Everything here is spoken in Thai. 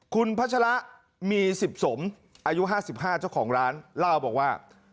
คุณพระชะละมี๑๐สมอายุ๕๕ช่องร้านเล่าบอกว่า